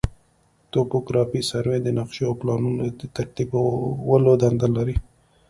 توپوګرافي سروې د نقشو او پلانونو د ترتیبولو دنده لري